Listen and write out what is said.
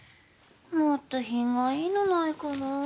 もっと品がいいのないかなぁ。